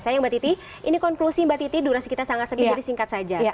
saya ke mbak titi ini konfusi mbak titi durasi kita sangat sempit jadi singkat saja